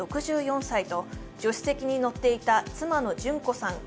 ６４歳と助手席に乗っていた妻の淳子さん